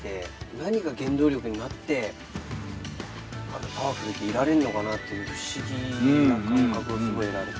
何が原動力になって、あんなパワフルでいられるのかなって、不思議な感覚がすごいあって。